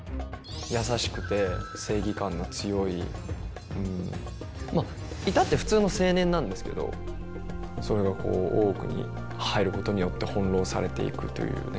優しくて正義感の強いまあ至って普通の青年なんですけどそれがこう大奥に入ることによって翻弄されていくというね。